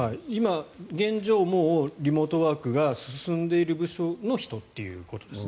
現状、もうリモートワークが進んでいる部署の人っていうことです。